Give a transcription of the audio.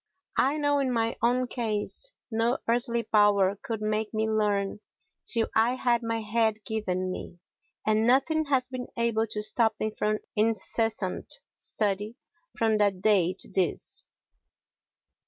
I know in my own case no earthly power could make me learn till I had my head given me; and nothing has been able to stop me from incessant study from that day to this.